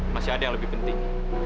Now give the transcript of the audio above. masih ada yang lebih penting